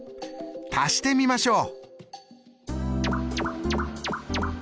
足してみましょう！